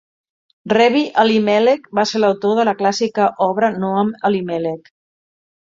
Rebbi Elimelech va ser autor de la clàssica obra Noam Elimelech.